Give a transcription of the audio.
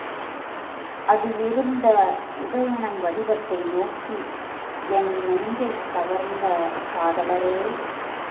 அதிலிருந்த உதயணன் வடிவத்தை நோக்கி, என் நெஞ்சைக் கவர்ந்த காதலரே!